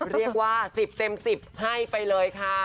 เรียกว่า๑๐เต็ม๑๐ให้ไปเลยค่ะ